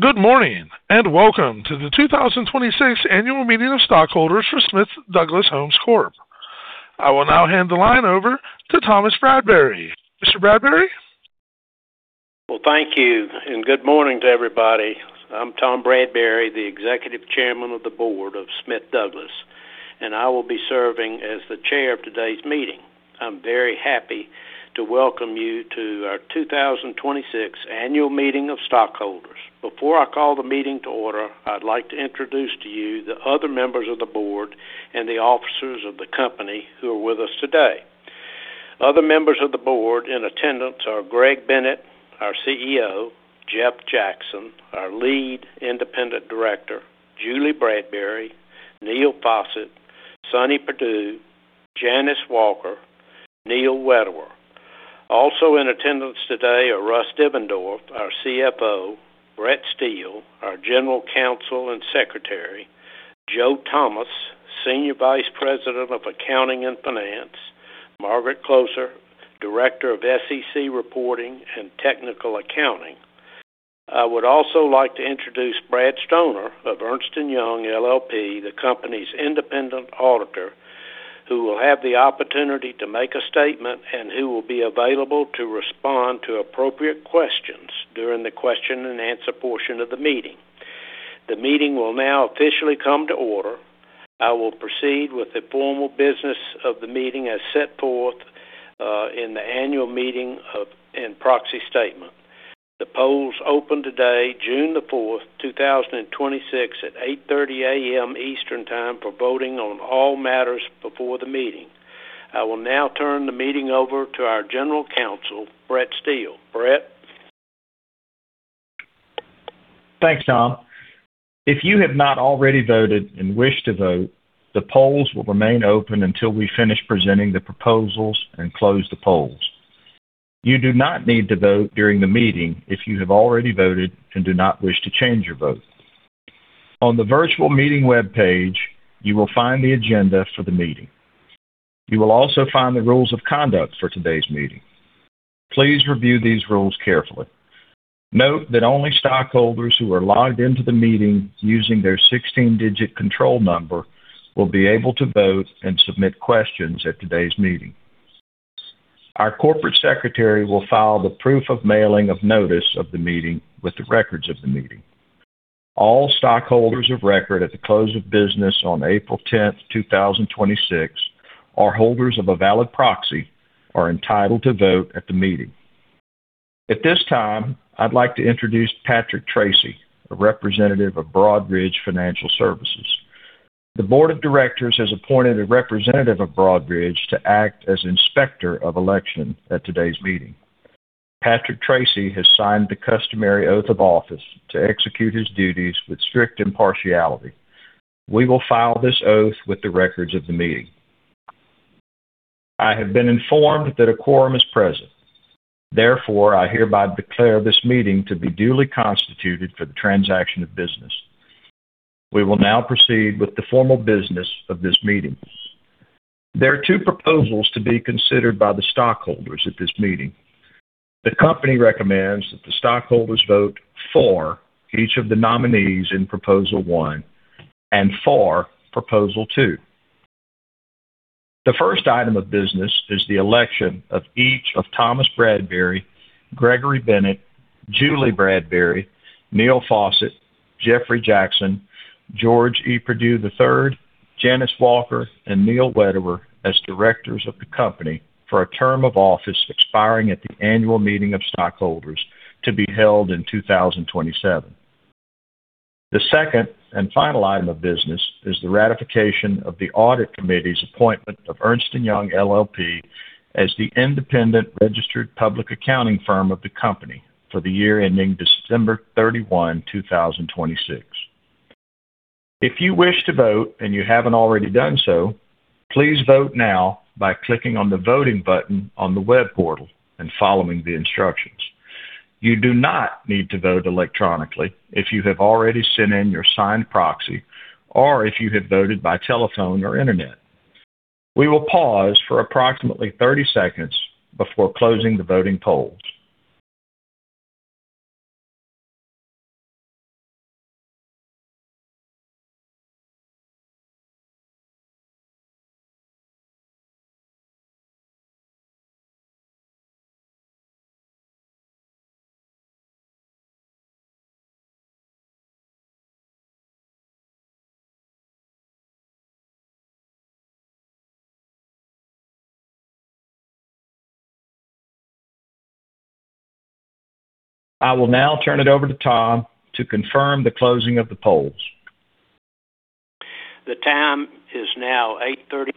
Good morning, welcome to the 2026 annual meeting of stockholders for Smith Douglas Homes Corp. I will now hand the line over to Thomas Bradbury. Mr. Bradbury? Well, thank you, and good morning to everybody. I'm Tom Bradbury, the Executive Chairman of the Board of Smith Douglas, and I will be serving as the Chair of today's meeting. I'm very happy to welcome you to our 2026 annual meeting of stockholders. Before I call the meeting to order, I'd like to introduce to you the other members of the Board and the officers of the company who are with us today. Other members of the Board in attendance are Greg Bennett, our CEO, Jeff Jackson, our Lead Independent Director, Julie Bradbury, Neill Faucett, Sonny Perdue, Janice Walker, Neil Wedewer. Also in attendance today are Russ Devendorf, our CFO, Brett Steele, our General Counsel and Secretary, Joe Thomas, Senior Vice President of Accounting and Finance, Margaret Kloser, Director of SEC Reporting and Technical Accounting. I would also like to introduce Brad Stoner of Ernst & Young LLP, the company's independent auditor, who will have the opportunity to make a statement and who will be available to respond to appropriate questions during the question and answer portion of the meeting. The meeting will now officially come to order. I will proceed with the formal business of the meeting as set forth in the annual meeting and proxy statement. The polls opened today, June the 4th, 2026, at 8:30 A.M. Eastern Time for voting on all matters before the meeting. I will now turn the meeting over to our General Counsel, Brett Steele. Brett? Thanks, Tom. If you have not already voted and wish to vote, the polls will remain open until we finish presenting the proposals and close the polls. You do not need to vote during the meeting if you have already voted and do not wish to change your vote. On the virtual meeting webpage, you will find the agenda for the meeting. You will also find the rules of conduct for today's meeting. Please review these rules carefully. Note that only stockholders who are logged into the meeting using their 16-digit control number will be able to vote and submit questions at today's meeting. Our corporate secretary will file the proof of mailing of notice of the meeting with the records of the meeting. All stockholders of record at the close of business on April 10th, 2026, or holders of a valid proxy, are entitled to vote at the meeting. At this time, I'd like to introduce Patrick Tracy, a representative of Broadridge Financial Solutions. The board of directors has appointed a representative of Broadridge to act as inspector of election at today's meeting. Patrick Tracy has signed the customary oath of office to execute his duties with strict impartiality. We will file this oath with the records of the meeting. I have been informed that a quorum is present. Therefore, I hereby declare this meeting to be duly constituted for the transaction of business. We will now proceed with the formal business of this meeting. There are two proposals to be considered by the stockholders at this meeting. The company recommends that the stockholders vote for each of the nominees in proposal one and for proposal two. The first item of business is the election of each of Thomas Bradbury, Gregory Bennett, Julie Bradbury, Neill Faucett, Jeffrey Jackson, George E. Perdue III, Janice Walker, and Neil Wedewer as directors of the company for a term of office expiring at the annual meeting of stockholders to be held in 2027. The second and final item of business is the ratification of the audit committee's appointment of Ernst & Young LLP as the independent registered public accounting firm of the company for the year ending December 31, 2026. If you wish to vote and you haven't already done so, please vote now by clicking on the voting button on the web portal and following the instructions. You do not need to vote electronically if you have already sent in your signed proxy or if you have voted by telephone or internet. We will pause for approximately 30 seconds before closing the voting polls. I will now turn it over to Tom to confirm the closing of the polls. The time is now 8:35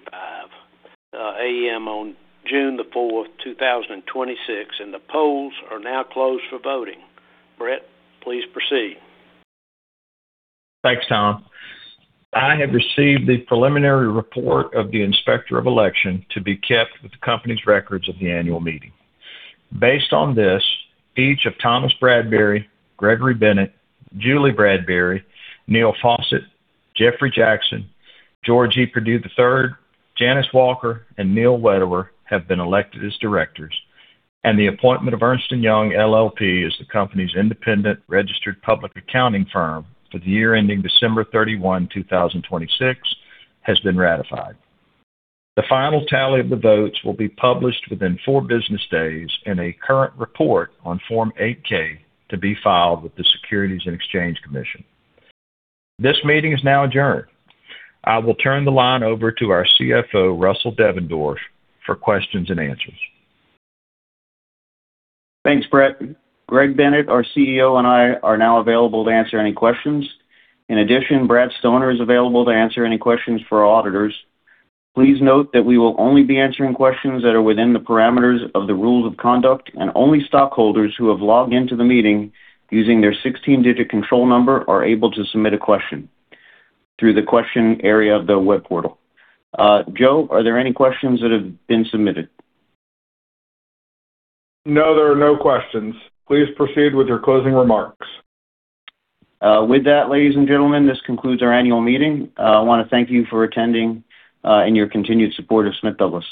A.M. on June the 4th, 2026, and the polls are now closed for voting. Brett, please proceed. Thanks, Tom. I have received the preliminary report of the inspector of election to be kept with the company's records of the annual meeting. Based on this, each of Thomas Bradbury, Gregory Bennett, Julie Bradbury, Neill Faucett, Jeffrey Jackson, George E. Perdue III, Janice Walker, and Neil Wedewer have been elected as directors, and the appointment of Ernst & Young LLP as the company's independent registered public accounting firm for the year ending December 31, 2026, has been ratified. The final tally of the votes will be published within four business days in a current report on Form 8-K to be filed with the Securities and Exchange Commission. This meeting is now adjourned. I will turn the line over to our CFO, Russell Devendorf, for questions and answers. Thanks, Brett. Greg Bennett, our CEO, and I are now available to answer any questions. In addition, Brad Stoner is available to answer any questions for our auditors. Please note that we will only be answering questions that are within the parameters of the rules of conduct, and only stockholders who have logged into the meeting using their 16-digit control number are able to submit a question through the question area of the web portal. Joe, are there any questions that have been submitted? No, there are no questions. Please proceed with your closing remarks. With that, ladies and gentlemen, this concludes our annual meeting. I want to thank you for attending and your continued support of Smith Douglas.